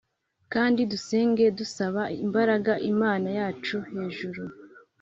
kandi dusenga dusaba imbaraga imana yacu hejuru.